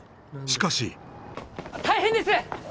しかし大変です！